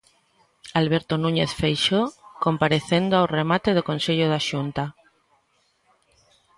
Alberto Núñez Feixóo comparecendo ao remate do Consello da Xunta.